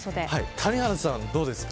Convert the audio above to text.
谷原さんはどうですか。